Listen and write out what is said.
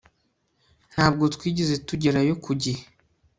ntabwo twigeze tugerayo ku gihe